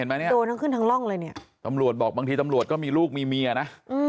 เนี่ยโดนทั้งขึ้นทั้งร่องเลยเนี่ยตำรวจบอกบางทีตำรวจก็มีลูกมีเมียนะ